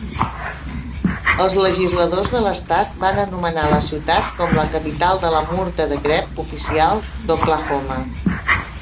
Els legisladors de l"estat van anomenar la ciutat com la "capital de la murta de crep" oficial d"Oklahoma.